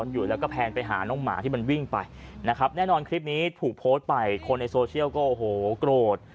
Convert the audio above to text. ถูกโพสต์ไปคนในโซเชียลก็โหโกรธ